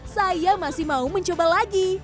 saya masih mau mencoba lagi